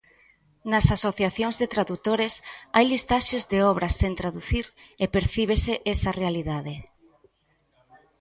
Nas asociacións de tradutores hai listaxes de obras sen traducir e percíbese esa realidade.